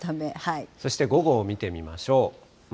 そして午後を見てみましょう。